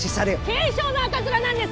軽症の赤面なんです！